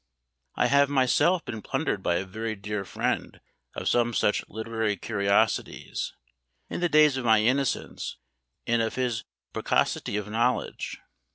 I have myself been plundered by a very dear friend of some such literary curiosities, in the days of my innocence and of his precocity of knowledge.